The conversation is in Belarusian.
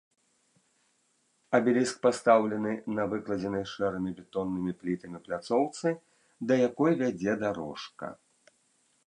Абеліск пастаўлены на выкладзенай шэрымі бетоннымі плітамі пляцоўцы, да якой вядзе дарожка.